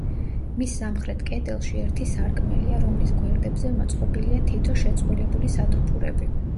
მის სამხრეთ კედელში ერთი სარკმელია, რომლის გვერდებზე მოწყობილია თითო შეწყვილებული სათოფურები.